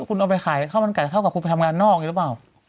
คุณเอาไปขายข้าวมันไก่เท่ากับคุณไปทำงานนอกอย่างนี้หรือเปล่า